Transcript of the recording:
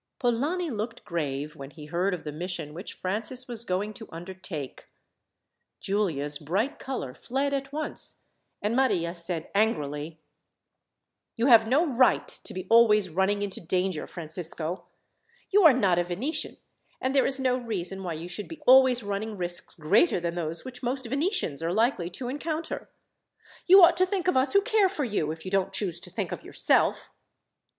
Polani looked grave, when he heard of the mission which Francis was going to undertake. Giulia's bright colour fled at once, and Maria said angrily: "You have no right to be always running into danger, Francisco. You are not a Venetian, and there is no reason why you should be always running risks greater than those which most Venetians are likely to encounter. You ought to think of us who care for you, if you don't choose to think of yourself."